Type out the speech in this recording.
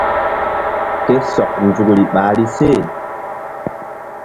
Ke sɔk nzukri ɓahri se.